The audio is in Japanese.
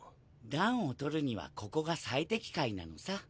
暖を取るにはここが最適解なのさ。